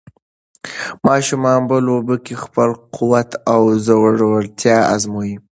ماشومان په لوبو کې خپل قوت او زړورتیا ازمويي.